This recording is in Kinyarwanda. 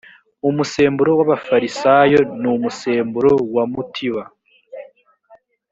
umusemburo w abafarisayo n umusemburo wa mutiba